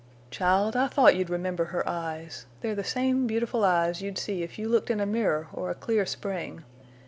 "Child, I thought you'd remember her eyes. They're the same beautiful eyes you'd see if you looked in a mirror or a clear spring.